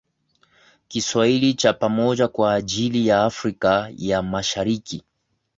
Kiswahili cha pamoja kwa ajili ya Afrika ya Mashariki